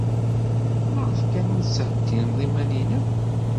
Maɣef kan ur tettheddineḍ iman-nnem?